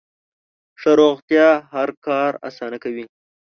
ښه روغتیا هر کار اسانه کوي.